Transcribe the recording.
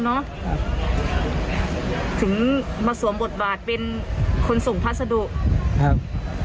เนอะครับถึงมาสวมบทบาทเป็นคนส่งพัสดุครับ